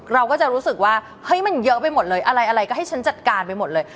เราก็จะรู้สึกว่าเฮ้ยมันเยอะไปหมดเลยอะไรก็ให้ฉันจัดการไปหมดเลย